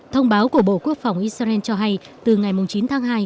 thông báo của bộ quốc phòng israel cho hay từ ngày chín tháng hai